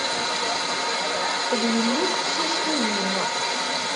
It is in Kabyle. D yelli teqcict-ihin.